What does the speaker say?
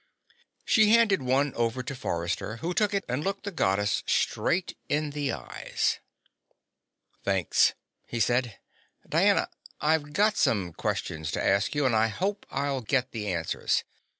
She handed one over to Forrester, who took it and looked the Goddess straight in the eyes. "Thanks," he said. "Diana, I've got some questions to ask you, and I hope I'll get the answers."